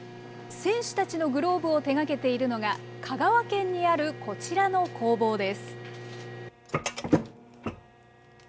選手たちのグローブを手がけているのが、香川県にあるこちらの工房です。